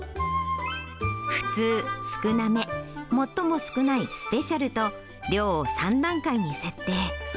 普通、少なめ、最も少ないスペシャルと、量を３段階に設定。